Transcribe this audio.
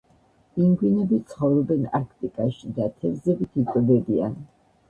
პინგვინები ცხოვრობენ არქტიკაში და თევზებით იკვებებიან